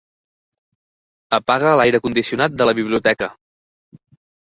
Apaga l'aire condicionat de la biblioteca.